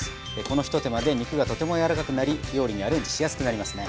この一手間で肉がとてもやわらかくなり料理にアレンジしやすくなりますね。